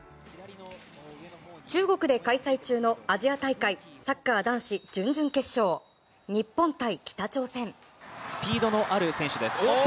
中国で開催中のアジア大会サッカー男子、準々決勝日本対北朝鮮。